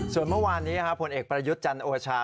ส่วนเมื่อวานนี้ผลเอกประยุทธ์จันทร์โอชา